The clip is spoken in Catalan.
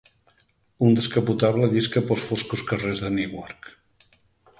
Un descapotable llisca pels foscos carrers de Newark.